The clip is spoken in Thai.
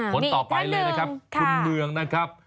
คนต่อไปเลยนะครับคุณเมืองนะครับ